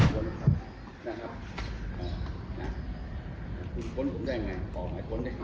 สวัสดีครับได้ครับนะนะผมก็จะยังไงบอกใหม่คนได้นี่